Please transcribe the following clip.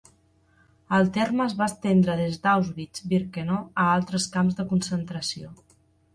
El terme es va estendre des d'Auschwitz-Birkenau a altres camps de concentració.